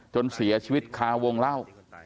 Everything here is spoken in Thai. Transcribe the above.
จนเสียชีวิตคาวงเล่า